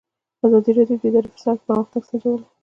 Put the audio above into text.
ازادي راډیو د اداري فساد پرمختګ سنجولی.